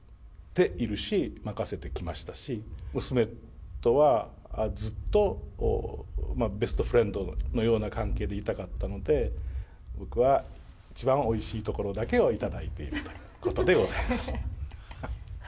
ているし、任せてきましたし、娘とはずっとベストフレンドのような関係でいたかったので、僕は一番おいしいところだけを頂いているということでございます。